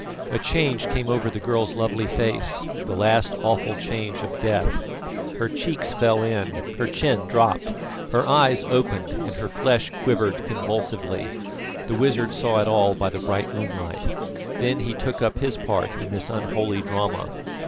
A change came over the girl's lovely face, the last awful change of death. Her cheeks fell in, her chin dropped, her eyes opened, and her flesh quivered convulsively. The wizard saw it all by the bright moonlight. Then he took up his part in this unholy drama.